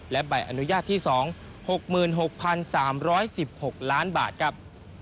และใบอนุญาตที่๒๖๖๓๑๖ล้านบาทครับ